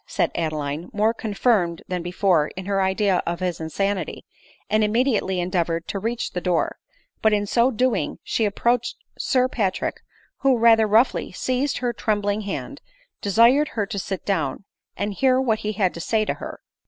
said Adeline, more confirmed than before in her idea of his insanity, and immediately endeavored to reach the door ; but in so doing she ap proached Sir Patrick, who, rather roughly seizing her trembling hand, desired her to sit down, and hear what he had to say to her.